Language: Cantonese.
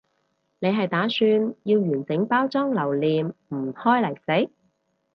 你係打算要完整包裝留念唔開嚟食？